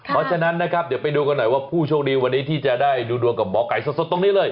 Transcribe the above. เพราะฉะนั้นนะครับเดี๋ยวไปดูกันหน่อยว่าผู้โชคดีวันนี้ที่จะได้ดูดวงกับหมอไก่สดตรงนี้เลย